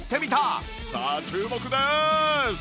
さあ注目でーす！